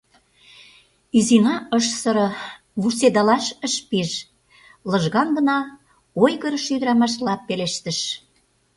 Изина ыш сыре, вурседалаш ыш пиж, лыжган гына ойгырышо ӱдырамашла пелештыш: